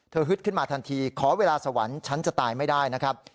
ฮึดขึ้นมาทันทีขอเวลาสวรรค์ฉันจะตายไม่ได้นะครับ